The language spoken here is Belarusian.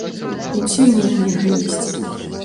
Ім свініну нельга есці.